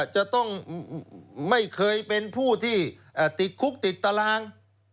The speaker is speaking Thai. จะต้องไม่เคยเป็นผู้ที่ติดคุกติดตาราง